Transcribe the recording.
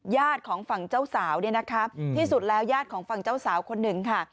ญาติของฝั่งเจ้าสาวเนี่ยนะคะที่สุดแล้วญาติของฝั่งเจ้าสาวคนหนึ่งค่ะ